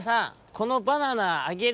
このバナナあげる」。